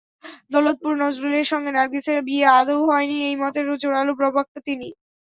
দৌলতপুরে নজরুলের সঙ্গে নার্গিসের বিয়ে আদৌ হয়নি—এই মতের জোরালো প্রবক্তা তিনি।